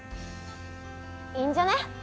いいんじゃね？